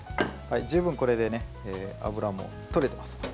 十分これで油も取れてます。